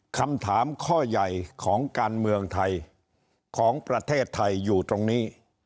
คำถามข้อใหญ่ของการเมืองไทยของประเทศไทยอยู่ตรงนี้